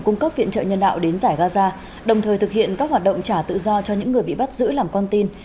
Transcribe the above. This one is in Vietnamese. cung cấp viện trợ nhân đạo đến giải gaza đồng thời thực hiện các hoạt động trả tự do cho những người bị bắt giữ làm con tin